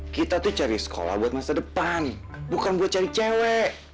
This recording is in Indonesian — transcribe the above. kita tuh cari sekolah buat masa depan bukan buat cari cewek